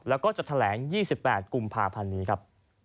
แล้วก็จะแถลง๒๘กุมภาพันธ์นี้ครับ